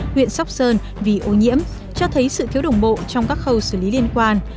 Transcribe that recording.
huyện sóc sơn vì ô nhiễm cho thấy sự thiếu đồng bộ trong các khâu xử lý liên quan